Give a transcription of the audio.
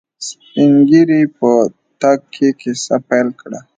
سپينږيري په تګ کې کيسه پيل کړه.